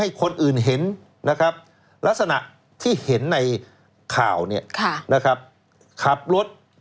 ไม่เบรคไม่เชาะรอ